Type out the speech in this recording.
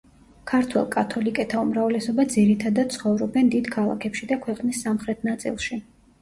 ქართველ კათოლიკეთა უმრავლესობა ძირითადად ცხოვრობენ დიდ ქალაქებში და ქვეყნის სამხრეთ ნაწილში.